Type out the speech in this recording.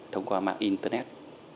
thông qua mạng internet